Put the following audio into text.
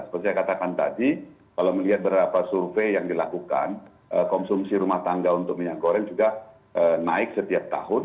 seperti saya katakan tadi kalau melihat beberapa survei yang dilakukan konsumsi rumah tangga untuk minyak goreng juga naik setiap tahun